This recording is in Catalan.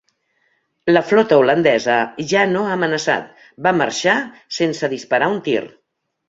La flota holandesa, ja no amenaçat, va marxar sense disparar un tir.